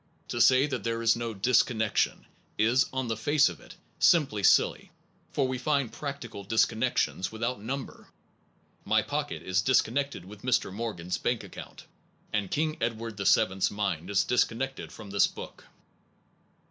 To say that there is no disconnec tion/ is on the face of it simply silly, for we find practical disconnections without number. My pocket is disconnected with Mr. Morgan s bank account, and King Edward VII s mind is disconnected with this book.